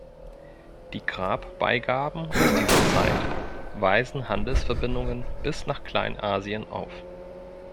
Die Grabbeigaben aus dieser Zeit weisen Handelsverbindungen bis nach Kleinasien auf.